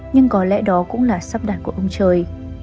nhưng có lẽ đó cũng là sắp đặt của ông trời